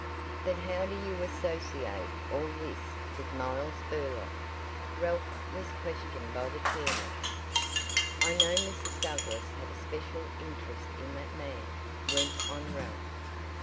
"But how do you associate all this with Miles Burlock?" Ralph was questioned by the chairman: "I know Mrs. Douglass had a special interest in that man," went on Ralph.